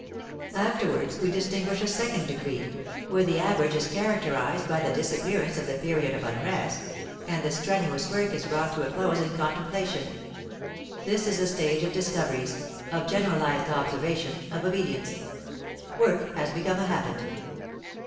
Afterwards we distinguish a second degree, where the average is characterized by the disappearance of the period of unrest, and the strenuous work is brought to a close in contemplation; this is the stage of discoveries, of generalized observation, of obedience; work has become a habit.